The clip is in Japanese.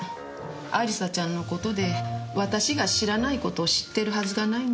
亜里沙ちゃんのことで私が知らないことを知ってるはずがないんです。